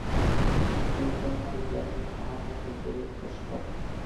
ئۇچتۇرپاننىڭ يەرلىك تائاملىرىدىن بىرى پوشكال.